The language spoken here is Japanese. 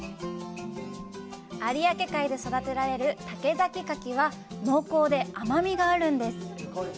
有明海で育てられる竹崎カキは濃厚で甘みがあるんです。